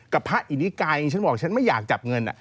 พระอินิกัยฉันบอกฉันไม่อยากจับเงิน